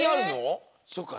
そっか。